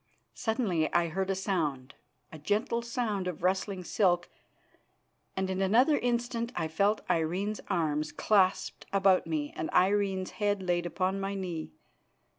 Suddenly I heard a sound, a gentle sound of rustling silk, and in another instant I felt Irene's arms clasped about me and Irene's head laid upon my knee.